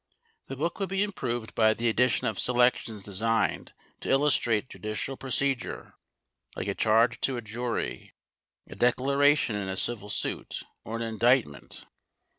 The book would be improved by the addition of selections designed to illustrate judicial procedure, like a charge to a jury, a declaration in a civil suit or an indictment.